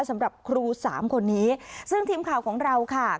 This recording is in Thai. สำหรับครูสามคนนี้ซึ่งทีมข่าวของเราค่ะ